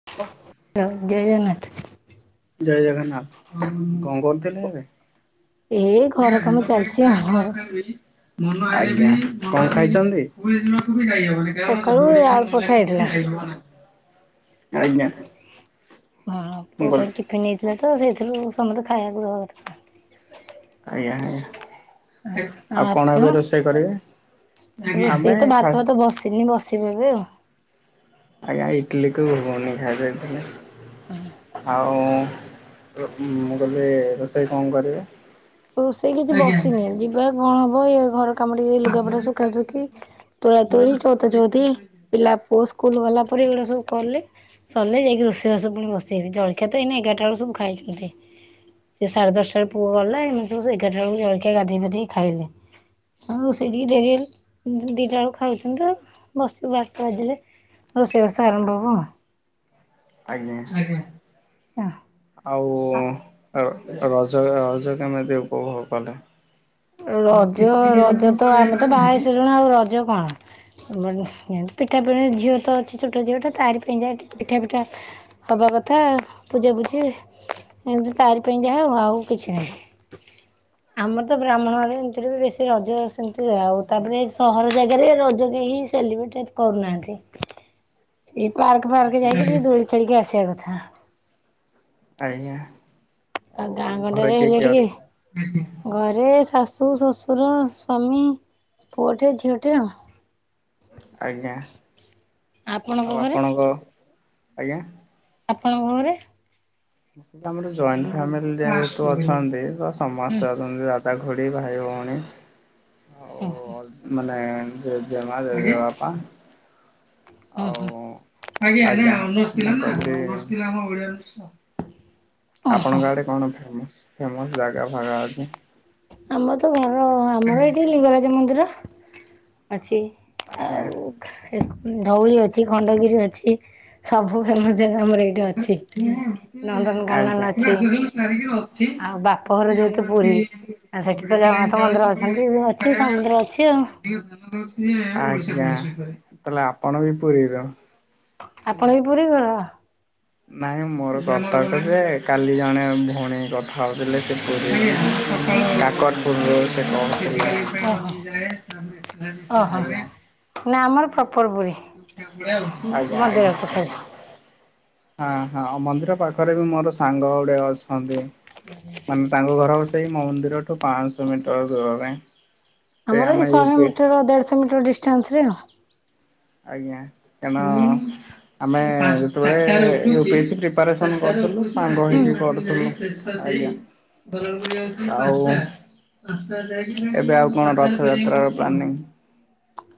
[unintelligible] ର ଜୟ ଜଗନ୍ନାଥ। ଜୟ ଜଗନ୍ନାଥ। କଣ କରୁଥିଲେ ଏବେ? ଏଇ ଘର କାମ ଚାଲିଛି ଆଉ। ଆଜ୍ଞା। କଣ ଖାଇଛନ୍ତି? ସକାଳୁ ଗଲି ଆଳୁ ପରଠା ହେଇଥିଲା। ଆଜ୍ଞା ହଁ, ପୁଅ ପାଇଁ ଟିଫିନ ହେଇଥିଲା ତ, ସେଇଥିରୁ ସମତେ ଖାଇଆକୁ ଆଜ୍ଞା ଆଜ୍ଞା। ଆଉ କଣ ଏବେ ରୋଷେଇ କରିବେ? ରୋଷେଇ ଆମେ ତ ଖା ଭାତ ଫାତ ବସିନି, ବସେଇବି ଏବେ ଆଉ। ଆଜ୍ଞା। ଇଡିଲିକୁ ଘୁଗୁନି ଖାଇ ଦେଇଥିଲି। ଆଉ ର ମୁଁ କହିଲି ରୋଷେଇ କଣ କରିବେ? ରୋଷେଇ କିଛି ଆଜ୍ଞା। ବସିନି। ଯିବା, କଣ ହବ, ଇଏ ଘର କାମୁଡ଼ି କି ଲୁଗାପଟା ଶୁଖା ଶୁଖି ତୋଳା ତୋଳି ଚୋଉ ତା ଚୌତି ପିଲା ପୋଶ୍ ସ୍କୁଲ ଗଲା ପରେ ଏଡ଼ା ସବୁ କଲେ ସରିଲେ ଯାଇକି ରୋଷେଇ ପୁଣି ବସେଇବି ଯଳିଖିଆ ଆ ତ ଏଇନ ଏଗାରଟା ବେଳକୁ ସୁବୁ ଖାଇଛନ୍ତି। ସିଏ ସାଢ଼େ ଦଶଟା ରେ ପୁଅ ଗଲା ଏମିତି ବି ସବୁ ଏଗାରଟା ବେଳକୁ ଜଳଖିଆ ଗାଧେଇ ପାଧେଇ ଖାଇଲେ। ଆଉ ରୋଷେଇ ଟିକେ ଡେରିହେଲା ଦିଟା ବେଳକୁ ଖାଇଥିଲି ତ ବସିବୁ ବାରଟା ବାଜିଲେ। ରୋଷେଇ ବାସ ଆରମ୍ଭ ହବ। ଆଜ୍ଞା ଆଉ। ଆଉ ରଜ ରଜ କେମିତି ଉପଭୋଗ କଲେ? ଆଉ ରଜ ପିକନିକ ଏବେ ରଜ କଣ ତ କୁଆଡେ ଆମେ ତ ଯାଇପାରଛନ୍ତି ବାହା କି? ହେଇ ସାରିଲୁଣି ଆଉ ରଜ କଣ। [unintelligible] ପିଠା ପଣା ଝିଅ ତ ଅଛି ଛୋଟ ଝିଅଟା ତାରି ପାଇଁ ଯାଇଥିଲି ପିଠା ପିଠା ହବା କଥା ପୂଜାପୂଜି ଏମିତି ତାରି ପାଇଁ ଯହା ଆଉ କିଛି ନାହିଁ ଆମର ତ ବ୍ରାହ୍ମଣରେ ଏମିତିରେ ବି ବେଶୀ ରଜ ସେମିତି ହୁଏ ଆଉ ତାପରେ ସହର ଜାଗାରେ ରଜ କେହିଁ ସେଲିବ୍ରେଟ୍ ଏତେ କରୁନାହାନ୍ତି ଏଇ ପାର୍କ ଫାର୍କ ଆଜ୍ଞା ଯାଇକି ଟିକ ଦୋଳି ଖେଳିକି ଆସିବା କଥା। ଆଜ୍ଞା। ଆଉ ଗାଁ ଘରେ ଗଣ୍ଡରେ କିଏ ହେଲେ କିଏ ଟିକେ ଅଛନ୍ତି? ଘରେ ଶାଶୁ, ଶ୍ୱଶୁର, ସ୍ଵାମୀ, ପୁଅଟେ, ଝିଅଟେ ଆଉ। ଆଜ୍ଞା ଆପଣଙ୍କ ଆଉ ଘରେ ଆପଣଙ୍କ ଆଜ୍ଞା? ଆପଣଙ୍କ ଘରେ? ଆମର ଜଏଣ୍ଟ ଫାମିଲି ଯେହେତୁ ଅଛନ୍ତି ତ ହୁଁ ସମସ୍ତେ ଅଛନ୍ତି ଦା ଦା, ଖୁଡ଼ି, ଭାଇ, ଭଉଣୀ ଓହୋ। ମାନେ ଜେଜେମା ଜେଜେବାପା। ଓହୋ ଆଉ ଓହୋ [inaudible] ଆପଣଙ୍କ ଓହୋ ଆଡ଼େ କଣ ଫେମଶ୍ ଫେମଶ୍ ଜାଗା ଫାଗା ଅଛି? ଆମର ତ ଘର ଆମର ଆଜ୍ଞା। ଏଠି ଲିଙ୍ଗରାଜ ମନ୍ଦିର ଅଛି। ଆଜ୍ଞା। ଆଉ ଧଉଳି ଅଛି ଖଣ୍ଡଗିରି ଅଛି। ସବୁ ଫେମସ ଜାଗା ଆମର ଏଇଠି କୋଉଟା ଅଛି ସେଥିପାଇଁ ଏମିତି ନନ୍ଦନକାନନ ଆଜ୍ଞା। ନା ଅଛି। ସେ ସବୁ ସାରିକିରି ଅଛି। ଆଉ ବାପଘର ତାପରେ ଆମର ଯେହେତୁ ଏମିତି ପୁରୀ। ଆଉ ସେଠି ତ କମ୍ପିଟେଟିଭ ଲାଇନ ଜଗନ୍ନାଥ ଯାଉଛି ମନ୍ଦିର ଅଛନ୍ତି ଅଛି ସମୁଦ୍ର ଅଛି ଆଉ। ଆଜ୍ଞା ତାହେଲେ ଆପଣ ବି ପୁରୀର? ଆଜ୍ଞା। ଆପଣ ବି ପୁରୀ ଘର? ନାଇଁ ମୋର କଟକ ଯେ କାଲି ଜଣେ ଭଉଣୀ କଥା ହଉଥିଲେ ସେ ପୁରୀରୁ କାକଟ ପୁରରୁ ସେ କହୁଥିଲେ। ଓହୋ ଓହୋ ଆଜ୍ଞା। ନା ଆମର ପ୍ରପର ପୁରୀ ଆଜ୍ଞା ମନ୍ଦିର ପାଖରେ। ଆଜ୍ଞା। ହଁ ହଁ ମନ୍ଦିର ପାଖରେ ବି ମୋର ସାଙ୍ଗ ଗୁଡେ ଅଛନ୍ତି। ମାନେ ତାଙ୍କ ଘର ସେଇ ମନ୍ଦିରଠୁ ପାଞ୍ଚଶହ ମିଟର ଦୂରରେ। ସେ ଆମର ଆମେ ଏଇ ଶହେ ୟୁପି ମିଟର ଦେଢ଼ଶହ ମିଟର ଡିଷ୍ଟାନ୍ସ ରେ ଆଉ। ଆଜ୍ଞା କାରଣ ଆମେ ଯେତେବେଳେ U P S C preparation କରୁଥିଲୁ ସାଙ୍ଗ ହୁଁ। ହେଇକି ପଢ଼ୁଥୁଲୁ। ଆଜ୍ଞା ଆଉ ଏବେ ଆଉ କଣ ରଥଯାତ୍ରାର ପ୍ଲାନିଂ?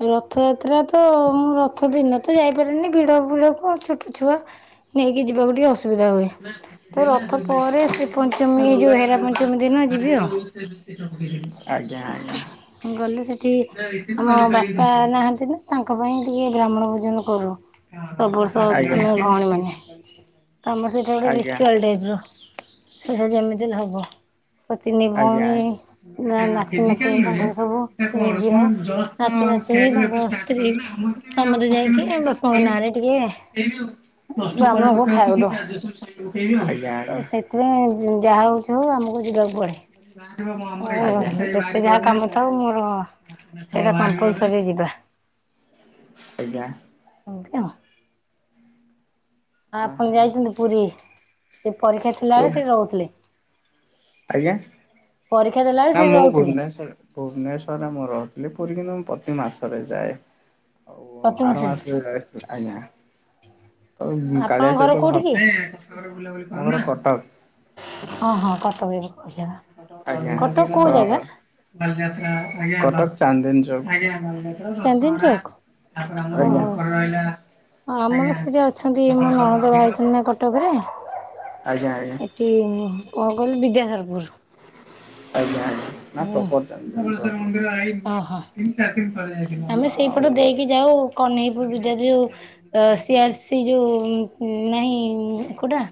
ରଥଯାତ୍ରା ତ ମୁଁ ରଥ ଦିନ ତ ଯାଇପାରେନି ଭିଡ଼ ଭିଡ଼କୁ ଛୋଟ ଛୁଆ। ନେଇକି ଯିବାକୁ ଟିକେ ଅସ ବିଧା ହୁଏ ତ ରଥ ପରେ ଶ୍ରୀପଞ୍ଚମୀ ଯୋଉ ହେରା ପଞ୍ଚମୀ ଦିନ ଯିବି ଆଉ। [unintelligible] ଆଜ୍ଞା। ଗଲେ ସେଠି ହଁ ବାପା ନାହାନ୍ତି ନା, ତାଙ୍କ ପାଇଁ ଟିକେ ବ୍ରାହ୍ମଣ ଭୋଜନ କରୁ ହଁ ସବୁ ଏଟା ବର୍ଷ ଫାଷ୍ଟ ଆମେ ୟୁନିଟ ଟେଷ୍ଟ। ଭଉଣୀମାନେ। ଆମ ସେଇଟା ଗୋଟେ ଆଜ୍ଞା ଆଜ୍ଞା। ରିଚୁଆଲ ଟାଇପ୍ ର ସେଇଟା ଯେମିତି ହେଲେ ହବ। ତିନି ଆଜ୍ଞା। ଭଉଣୀ ନା ନାଇଁ ନା ନାଇଁ ଫିଜିକାଲ ନୁହେଁ। ତାଙ୍କର ସବୁ ଏଇଟା ତିନି କଣ ମୁଁ ଝିଅ ଜଷ୍ଟ ନାତି, ନାତୁଣୀ କ୍ୟାରିୟର ଏବେ ତାଙ୍କର ଷ୍ଟାର୍ଟ ସ୍ତ୍ରୀ କଲି ନା ମୁଁ ଏତେ ବି ସମତେ ଯାଇକି ବାପାଙ୍କ ନାଁ ରେ ଟିକେ ବ୍ରାହ୍ମଣକୁ ଖାଇବାକୁ ଆଜ୍ଞା ଦଉ। ତ ଆଜ୍ଞା। ସେଥିପାଇଁ ଯାହା ହଉଛି ହଉ ଆମକୁ ଯିବାକୁ ପଡ଼େ। ଆଜ୍ଞା। ଯାହା କାମ ଥାଉ ମୋର ସେଇଟା କମ୍ପଲସରୀ ଯିବା [unintelligible] ଆଜ୍ଞା। ଏମିତି ଆଉ। ହଁ ଆପଣ ଓହୋ ଯାଇଛନ୍ତି ପୁରୀ? ସେ ପରୀକ୍ଷା ଥିଲାବେଳେ କୋଉଠି ସେ ରହୁଥିଲେ। ଆଜ୍ଞା। ପରୀକ୍ଷା ଦେଲାବେଳେ ସେ ରହୁଥିଲେ? ଭୁବନେଶ୍ଵରରେ ମୁଁ ରହୁଥିଲି ପୁରୀ କିନ୍ତୁ ମୁଁ ପ୍ରତି ମାସରେ ଯାଏ। ଆଉ ଆର ମାସରେ ବି ଯାଇଥିଲି ଆଜ୍ଞା ହଉ କାଳିଆ ଆପଣଙ୍କ ଘର ସହିତ କୋଉଠି ଭାବ କି? [unintelligible] ଆମର କଟକ। ହଁ ହଁ କଟକ ଯିବ। କହିଲେ ବା। ଆଜ୍ଞା ଅ କଟକ ଚାନ୍ଦିନୀ ଚୌକ ଆଜ୍ଞା। ଚାନ୍ଦିନୀ ଚୌକ ହଁ ଆମର ଆଜ୍ଞା ସେଠି ଅଛନ୍ତି ମୋ ଧବଳେଶ୍ୱର ନଣନ୍ଦ ବାହା ମନ୍ଦିର ହେଇଛନ୍ତି ନା କଟକରେ ଆଜ୍ଞା ଆଜ୍ଞା। ଟି କଣ କଇଲ ବିଦ୍ୟାଧରପୁର। ଆଜ୍ଞା ଆଜ୍ଞା। ହୁଁ ଓହୋ ତିନି ଚାରି ଦିନ ତଳେ ଯାଇଥିଲୁ ଆମେ ଆଉ ସେଇପଟ ଦେଇକି ଯାଉ କନେଇ ପୁର ଫ୍ୟାମିଲି ବିଦ୍ୟା ଆସିଥିଲେ ଯଉ ଫ୍ୟାମିଲିକୁ ନେଇ ଅ ଯାଇଥିଲୁ ଆଉ। ସିଆରସିି ଯୋଉ ଉ ନାହିଁ [unintelligible] କୋଉଠା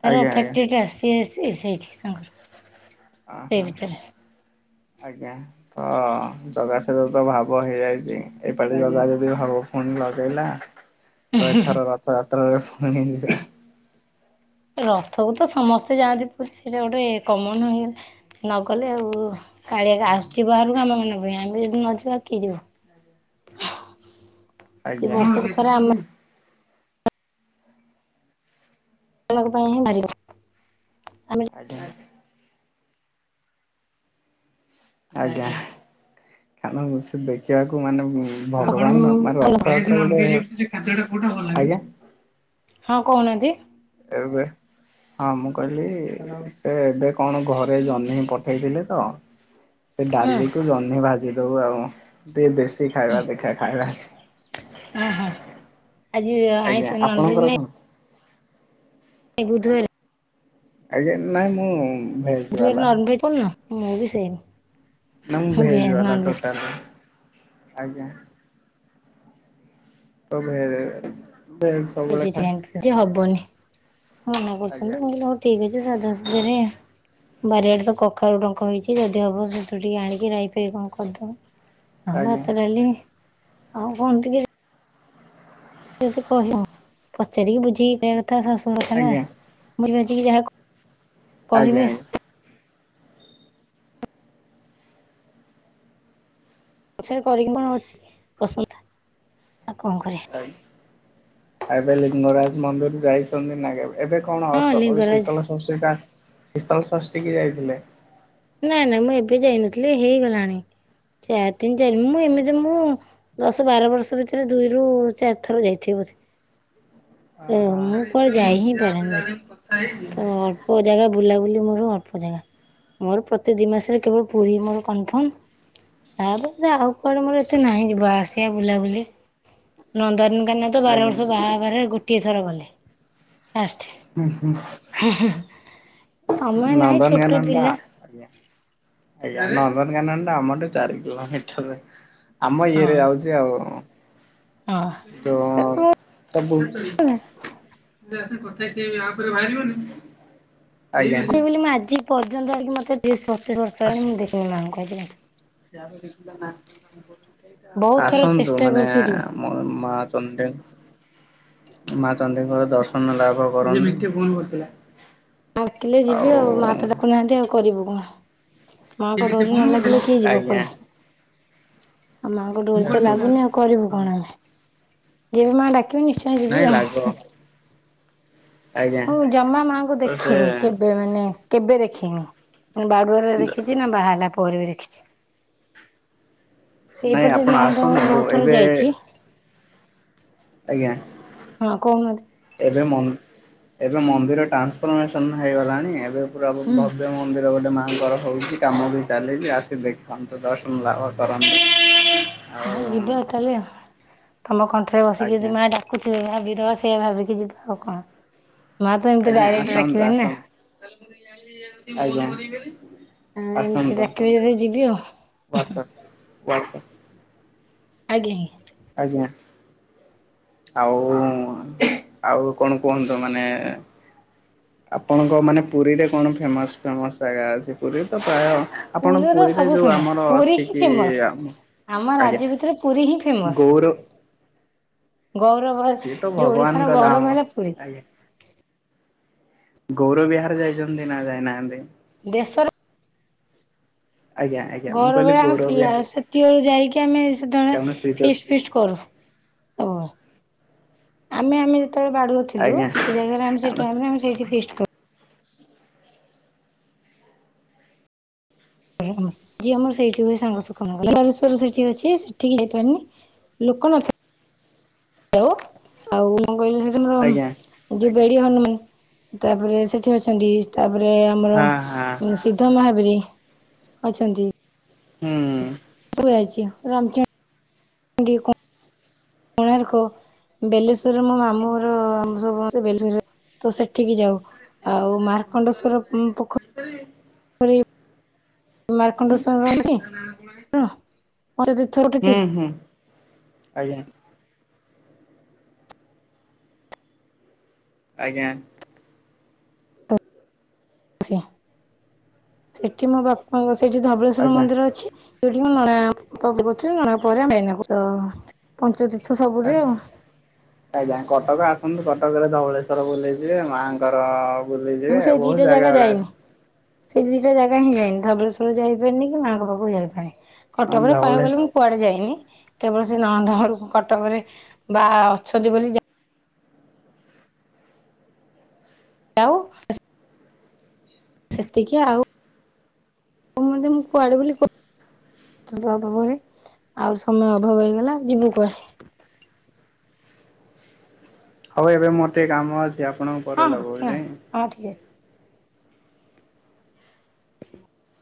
ତାର ଆଜ୍ଞା ଆଜ୍ଞା ଆଜ୍ଞା ଫ୍ୟାକ୍ଟ୍ରି ଟା ସିଏ ସିଏ ସେଇଠି ତାଙ୍କର ସେଇ ଓହୋ ଭିତରେ। ଆଜ୍ଞା। ହଁ ଜଗା ସହିତ ତ ଭାବ ହେଇଯାଇଛି ଏପାଳି ଜଗା ଯଦି ଭାବ ଫୁଣି ଲଗେଇଲା [inaudible] ତ ଏଥର ରଥଯାତ୍ରାରେ ପୁଣି ରଥକୁ ତ ସମସ୍ତେ ଯାଆନ୍ତି ପୁରୀ ସେଟା ଗୋଟେ କମନ ହେଇଗଲା ନଗଲେ ଆଉ କାଳିଆ ଆସିଛି ବାହାରକୁ ଆାମ ମାନଙ୍କ ପାଇଁ ଆମେ ଯଦି ନ ଯିବା କି ଯିବ। ଏ ଆଜ୍ଞା। ବର୍ଷକୁ ଥରେ ଆମ [unintelligible] [unintelligible] ଆମେ ଆଜ୍ଞା, ଆଜ୍ଞା। ଆଜ୍ଞା, ଆପଣ [unintelligible] ମିଶ ଦେଖିବାକୁ ମାନେ ଭଗବାନ ଭେଜ ନନଭେଜ ତାଠଡୁ କୋଉଟା ଭଲଲାଗେ? ଆଜ୍ଞା। ହଁ, କହୁନାହାନ୍ତି? ଏବେ ହଁ, ମୁଁ କହିଲି, ସେ ଏବେ କଣ ଘରେ ଜହ୍ନି ପଠେଇଥିଲେ ତ? ସେ ହୁଁ ଡାଲିକୁୁ ଜହ୍ନି ଭାଜି ଦବ ଆଉ, ଟିକେ ଦେଶୀ ଖାଇବା। ଦେଖିବା ଖାଇବା। ଉହୁଁ, ଆଜି ଆଜ୍ଞା ଆଇଁଷ ନନ ଭେଜ୍ ଆପଣଙ୍କର ନାହିଁ କଣ? ଏ ବୁଧବାର। ଆଜ୍ଞା, ନାଇଁ ମୁଁ ଭେଜ ବୁଧବାର ବାଲା ନନ୍ ଭେଜ୍ [unintelligible] ମୁଁ ବି ସେମ୍। ମୁଁ ଭେଜବଲା ଟୋଟାଲ। ଆଜ୍ଞା। ସବୁ ଭେଜ [unintelligible] ଭେଜ। ସବୁବେଳେ ଖାଏ ଭେଜିଟେରିଆନ୍ ଯେ ହବନି, ମନା କରୁଛନ୍ତି। ଆଜ୍ଞା ମୁଁ କହିଲି, ହଉ। ଠିକ ଅଛି। ସାଧାସିଧାରେ ବାରିଆଡେ ତ କଖାରୁ ଡ଼ଙ୍କ ହେଇଛି। ଯଦି ହବ, ସେଥିୁରୁ ଟିକେ ଆଣିକି ରାଇ ପାଇଁ କଣ କରି ଦବା। ହଁ, ଆଜ୍ଞା ଭାତ, ଡ଼ାଲି, ଆଉ କଣ ଟିକେ? ଯଦି କହିବ, ପଚାରିକି, ବୁଝିକି କହିବା କଥା। ଶାଶୁ କଥା ନା, ଆଜ୍ଞା ବୁଝିବାଝି କି ଯାହା କ [inaudible] କହିବେ। ଆଜ୍ଞା ଆଜ୍ଞା ପସନ୍ଦ କରିକି ମୁଁ ଅଛି, ପସନ୍ଦ। ଆଉ କଣ କରିବା? କାଇଁ? ଏବେ ଲିଙ୍ଗରାଜ ମନ୍ଦିର ଯାଇଛନ୍ତି ନା, କେବେ? ଏବେ କଣ ହଁ ଅଶୋକ? ଲିଙ୍ଗରାଜ ଶୀତଳ ଷଷ୍ଠୀ ଟା ଶୀତଳ ଷଷ୍ଠୀ କି ଯାଇଥିଲେ? ନାଇଁ, ନାଇଁ। ମୁଁ ଏବେ ଯାଇନଥିଲି। ହେଇଗଲାଣି ଚାରି-ତିନି-ଚାରି ମୁଁ ଏମିତି ମୁଁ ଦଶ-ବାର ବର୍ଷ ଭିତରେ, ଦୁଇରୁ ଚାରି ଥର ଯାଇଥିବି ବୋଧେ। ଓ, ମୁଁ କୁଆଡେ ଯାଇ ହିଁ ପାରେନି ବେଶି। ତ, ଅଳ୍ପ ଜାଗା ବୁଲାବୁଲି, ମୋର ଅଳ୍ପ ଜାଗା। ମୋର ପ୍ରତି ଦି ମାସରେ, କେବଳ ପୁରୀ ମୋର କନଫର୍ମ। ତାପ, ଆଉ କୁଆଡେ ମୋର ଏତେ ନାହିଁ, ଯିବା ଆସିବା, ବୁଲାବୁଲି। ନନ୍ଦନକାନନ ତ, ବାର ଆଜ୍ଞା ବର୍ଷ ବାହାଘରେ, ଗୋଟିଏ ଥର ଗଲି, ଫାଷ୍ଟ। ହୁଁ, ହୁଁ। ହ-ହ, ସମୟ ନାହିଁ, ନନ୍ଦନକାନନ ଛୋଟ ଟା ପିଲା। ଆଜ୍ଞା, ଆଜ୍ଞା। ନନ୍ଦନକାନନ ଟା ଆମଠୁ ଚାରି କିଲୋମିଟର ଆମ ହଁ ଇଏରେ ଯାଉଛି ଆଉ। ହଁ ତ [unintelligible] [unintelligible] ଆ ପରେ ବାହାରିବନି। କହିବ ବୋଲି, ମୁଁ ଆଜି ପର୍ଯ୍ୟନ୍ତ ଆଣିକି, ମତେ-ସ- ସତେଇଶ ବର୍ଷ ହେଲାଣି। ମୁଁ ଦେଖିନି ଏମାନଙ୍କୁ ଆଜି ଯାଏଁ। ବହୁତ [unintelligible] ଥର ଆସନ୍ତୁ ଚେଷ୍ଟା ମାନେ କରିଛି ଯିବି ମୋ ମା ଚଣ୍ଡି। ମା ଚଣ୍ଡୀଙ୍କର ଦର୍ଶନ ଲାଭ କରନ୍ତୁ। ଡ଼ାକିଲେ ଯିବି ଆଉ। ମା ତ ଡ଼ାକୁନାହାନ୍ତି, ଆଉ କରିବୁ କଣ? ମାଙ୍କ ଡୋରି ନ ଲାଗିଲେ, କିଏ ଯିବ ଆଜ୍ଞା। କୁଆଡେ? ଆଉ ମାଆଙ୍କ ଡୋରି ତ ଲାଗୁନି, ଆଉ କରିବୁ କଣ ଆମେ? ଯେବେ ମାଆ ଡାକିବେ, ନିଶ୍ଚୟ ନାଇଁ ଯିବି ଲାଗ ଆଉ। ଆଜ୍ଞା ମୁଁ ଜମା ମାଙ୍କୁ ତ ସେ ଦେଖିନି। କେ ଏବେ ମାନେ, କେବେ ଦେଖିନି। ବାଡୁଅ ରେ ଦେଖିଛି ନା, ବାହା ହେଲା ପରେ ବି ଦେଖିଛି। ନାଇଁ ସେଇପଟେ ଆପଣ ନଣଦ ଘରୁ, ଆସନ୍ତୁ ବହୁତ ଥର ଏବେ ଯାଇଛି। ଆଜ୍ଞା। ହଁ କହୁନାହାନ୍ତି ଏବେ ଏବେ ମନ୍ଦିର ଟ୍ରାନ୍ସଫର୍ମେସନ ହେଇଗଲାଣି ଏବେ ପୁରାଭା ହୁଁ ଏଇମନ୍ଦିର ଗୋଟେ ମାଆଙ୍କର ହଉଛି କାମ ବି ଚାଲିଛି ଆସି ଦେଖନ୍ତୁ ଦର୍ଶନ ଲାଭ କରନ୍ତୁ ଆଉ ହଁ ଯିବ ତାହେଲେ ତମ କଣ୍ଠରେ ବସିକି ଆଜ୍ଞା ଯଦି ମା ଡା। ଗୋଟେ ହଜିର ସେଏ ଭାବିକି ଯିବ କଣ। ମା ତ ଏମିତି ଆଜ୍ଞା ଡାଇରେକ୍ଟ ଆସନ୍ତୁ ଡାକିବେନି ନା ଆସନ ଆଜ୍ଞା। ହଁ ଏମିତି ଡ଼ାକିବେ ଯଦି ଯିବି ଆଉ। WhatsApp WhatsApp. ଆଜ୍ଞା ଆଜ୍ଞା। ଆଜ୍ଞା। ଆଉ ଆଉ କଣ କୁହନ୍ତୁ ମାନେ ଆପଣଙ୍କ ମାନେ ପୁରୀରେ କଣ ଫେମସ ଫେମସ ଜାଗା ଅଛି ପୁରୀ ତ ପ୍ରାୟ ଆପଣ ତ ପୁରୀରେ ସବୁ ଯୋଉ ଫେମସ୍ ଆମର ପୁରୀ ଅଛି ହିଁ କି ଫେମସ୍। ଆମ ଆଜ୍ଞା ରାଜ୍ୟ ଭିତରେ ପୁରୀ ହିଁ ଫେମସ ଗୌର ଗୌରବ ସିଏ ତ ଯୋଉ ଭଗବାନଙ୍କ ଓଡିଶାର ଗୌରବ ଧାମ ହେଲା ପୁରୀ। ଆଜ୍ଞା। ଗୌର ବିହାର ଯାଇଛନ୍ତି ନା ଯାଇନାହାନ୍ତି? ଦେଶର ଆଜ୍ଞା ଆଜ୍ଞା ମୁଁ କହିଲି ଗୌର ବିହାର [unintelligible] ସେତବେଳୁ ଯାଇକି ଆମେ ସେତେବେଳେ କାରଣ ଶ୍ରୀ ଚ ଫିସ ଫିଷ୍ଟ କର ହ ଆମେ ଆମେ ଯେତେବେଳେ ବା ଥିଲ ଆଜ୍ଞା। ସେ ଜାଗାରେ ଆମେ ସେ କାରଣ ଟାଇମ୍ ରେ ଆମେ ସେଇଠି ଫିଷ୍ଟ କରୁ। ଯି ଆମର ସେଇଠି ହୁଏ ସାଙ୍ଗସ କ କଲେର ସେଠି ଅଛି ସେଠିକି ଯାଇପାରନି। ଲୋକ ନ [unintelligible] ଆଉ ମୁଁ କହିଲି ସେ ତମର ଆଜ୍ଞା ଯୋଉ ବେଡ଼ି ହନୁମାନ ତାପରେ ସେଠି ଅଛନ୍ତି ତାପରେ ଆମର ହଁ ହଁ [unintelligible] ମହାବୀର ଅଛନ୍ତି। ହୁଁ। [unintelligible] କୋଣାର୍କ ବେଲେଶ୍ୱର ରେ ମୋ ମାମୁଘର ଆମେ ସମସ୍ତେ [unintelligible] ତ ସେଠିକି ଯାଉ। ଆଉ ମାର୍କଣ୍ଡେଶ୍ଵର ପ-ପୋଖରୀ [unintelligible] [unintelligible] ହଁ। ଆଜ୍ଞା। ଆଜ୍ଞା। [unintelligible] ସେଠି ମୋ ବାପାଙ୍କ, ସେଠି ଧବଳେଶ୍ଵର ଆଜ୍ଞା। ମନ୍ଦିର ଅଛି। [unintelligible] ଆଜ୍ଞା କଟକ ଆସନ୍ତୁ। କଟକରେ ଧବଳେଶ୍ଵର ବୁଲି ଯିବେ ମାଆଙ୍କର ବୁଲି ମୁଁ ଯିବେ, ସେଇ ବହୁତ ଦିଟା ଜାଗା ଗୁଡ଼ା ଯାଇନି। ଅଛି। ସେଇ ଦିଟା ଜାଗା ହିଁ ଯାଇନି। ଧବଳେଶ୍ୱର ଯାଇପାରନି କି ମାଆଙ୍କ ପାଖକୁ ଯାଇପାରିନି। ଅଛି। କଟକରେ କହିଆକୁ ଧବଳେଶ ଗଲେ ମୁଁ କୁଆଡ଼େ ଯାଇନି। କେବଳ ସେ ନଣନ୍ଦ ଘରକୁ କଟକରେ ବା ଅଛନ୍ତି ବୋଲି ଯାଉ। ସେତିକି ଆଉ। [unintelligible] [unintelligible] ଆଉ ସମୟ ଅଭାବ ହେଇଗଲା ଯିବୁ କୁଆଡ଼େ? ହଉ ଏବେ ମୋର ଟିକେ କାମ ଅଛି। ଆପଣ ହଁ ହଁ ଠିକ ହଁ ଠିକ୍ ଅଛି।